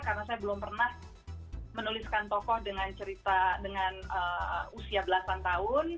karena saya belum pernah menuliskan tokoh dengan cerita dengan usia belasan tahun